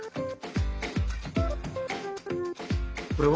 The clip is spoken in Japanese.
これは？